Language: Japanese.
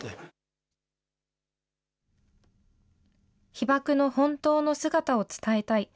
被爆の本当の姿を伝えたい。